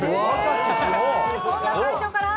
そんな最初から？